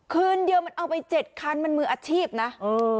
คืนเดียวมันเอาไปเจ็ดคันมันมืออาชีพนะเออ